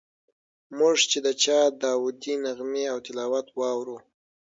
موږ چې د چا داودي نغمې او تلاوت واورو.